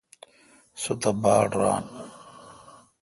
سو تہ باڑ ران۔